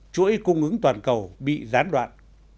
chuỗi cung ứng toàn cầu bị gián đoạn